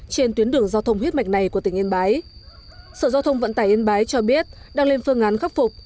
trên tuyến đường giao thông huyết mạch này của tỉnh yên bái sở giao thông vận tải yên bái cho biết đang lên phương án khắc phục